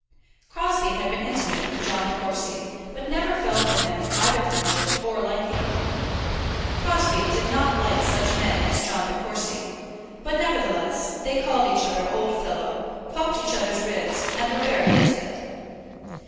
Crosbie had been intimate with John De Courcy, but never felt for him either friendship or liking. Crosbie did not like such men as John De Courcy; but nevertheless, they called each other old fellow, poked each other's ribs, and were very intimate.